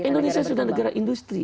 indonesia sudah negara industri